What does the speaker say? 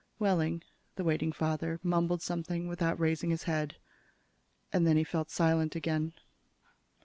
Wehling, the waiting father, mumbled something without raising his head. And then he fell silent again.